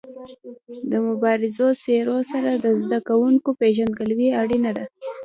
د مبارزو څېرو سره د زده کوونکو پيژندګلوي اړینه ده.